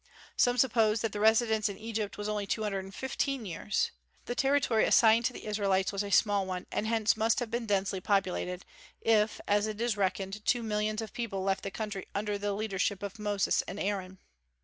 Some suppose that the residence in Egypt was only two hundred and fifteen years. The territory assigned to the Israelites was a small one, and hence must have been densely populated, if, as it is reckoned, two millions of people left the country under the leadership of Moses and Aaron.